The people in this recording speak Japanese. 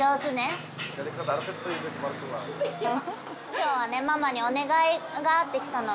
今日はママにお願いがあって来たの。